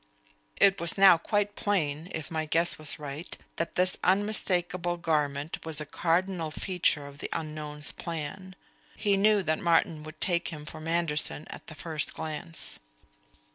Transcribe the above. It was now quite plain (if my guess was right) that this unmistakable garment was a cardinal feature of the unknown's plan. He knew that Martin would take him for Manderson at the first glance.